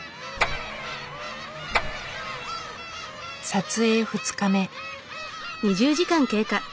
撮影２日目。